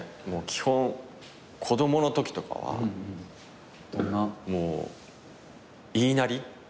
基本子供のときとかはもう言いなり。